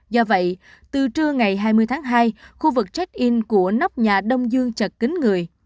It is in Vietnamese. do vậy từ trưa ngày hai mươi tháng hai khu vực check in của nóc nhà đông dương chật kính người